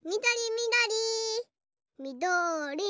みどりみどり。